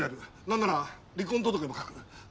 何なら離婚届も書く。